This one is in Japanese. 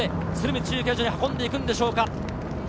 中継所に運んでいくんでしょうか。